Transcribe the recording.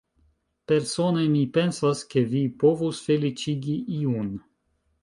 Persone mi pensas, ke vi povus feliĉigi iun.